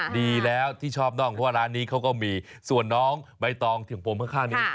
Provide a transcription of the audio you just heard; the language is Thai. ดีแล้วที่ชอบน่องเพราะว่าร้านนี้เขาก็มีส่วนน้องใบตองถึงผมข้างนี้